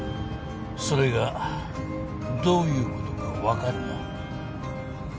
それがどういうことか分かるな？